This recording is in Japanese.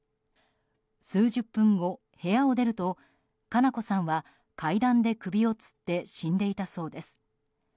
数十分後、部屋を出ると佳菜子さんは階段で首をつって死んでいたそうです。